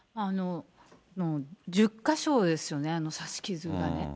１０か所ですよね、刺し傷がね。